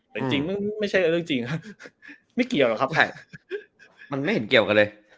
แต่จริงไม่ใช่เรื่องจริงครับไม่เกี่ยวหรอกครับมันไม่เห็นเกี่ยวกันเลย